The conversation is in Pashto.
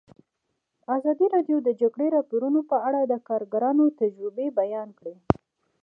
ازادي راډیو د د جګړې راپورونه په اړه د کارګرانو تجربې بیان کړي.